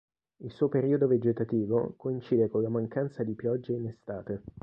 Il suo periodo vegetativo coincide con la mancanza di piogge in estate.